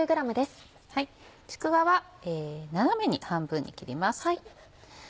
ちくわは斜めに半分に切ります。